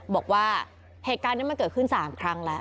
บอกว่าเหตุการณ์นี้มันเกิดขึ้น๓ครั้งแล้ว